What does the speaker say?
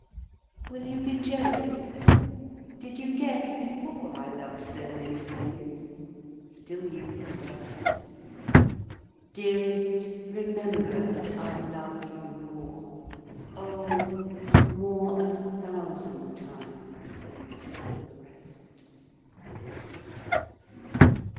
Will you be jealous? Did you guess before I loved so many things? Still you the best: Dearest, remember that I love you more, Oh, more a thousand times than all the rest!